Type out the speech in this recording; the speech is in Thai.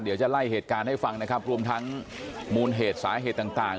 เดี๋ยวจะไล่เหตุการณ์ให้ฟังนะครับรวมทั้งมูลเหตุสาเหตุต่างต่าง